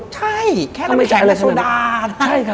ใช่แค่น้ำแข็งและโซดา